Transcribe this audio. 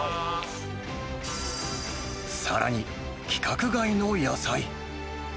さらに、規格外の野菜。